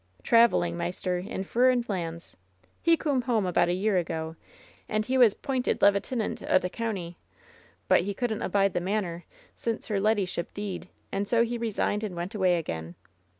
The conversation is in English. "Traveling, maister, in furrin lands. He coom home aboot a year ago, and he was 'pointed leevetinint o' t' county. But he couldn't abide the manor since her leddyship deed, and so he resigned and went away again.